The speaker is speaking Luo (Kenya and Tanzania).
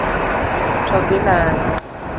To gi lal.